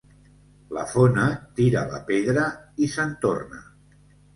La fona tira la pedra i se'n torna.